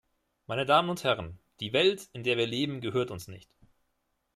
Meine Damen und Herren, die Welt, in der wir leben, gehört uns nicht.